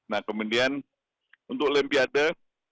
nah kemudian untuk olimpiade